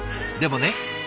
でもね